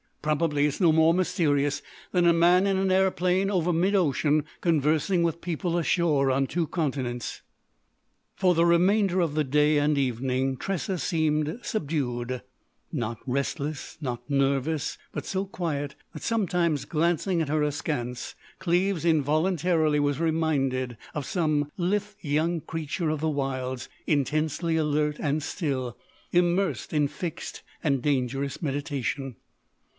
Probably it's no more mysterious than a man in an airplane over midocean conversing with people ashore on two continents." For the remainder of the day and evening Tressa seemed subdued—not restless, not nervous, but so quiet that, sometimes, glancing at her askance, Cleves involuntarily was reminded of some lithe young creature of the wilds, intensely alert and still, immersed in fixed and dangerous meditation.